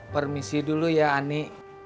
permisi dulu ya ani